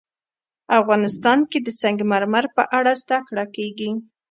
افغانستان کې د سنگ مرمر په اړه زده کړه کېږي.